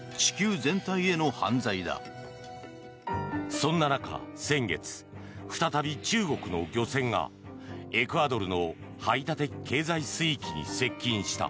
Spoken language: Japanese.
そんな中、先月再び中国の漁船がエクアドルの排他的経済水域に接近した。